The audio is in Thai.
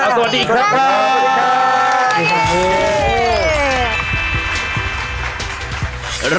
สวัสดีครับ